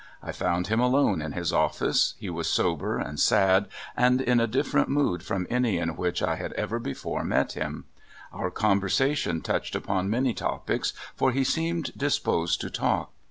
I found him alone in his office. He was sober and sad, and in a different mood from any in which I had ever before met him. Our conversation touched upon many topics, for he seemed disposed to talk.